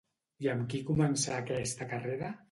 I amb qui començà aquesta carrera?